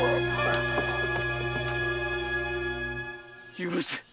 許せ！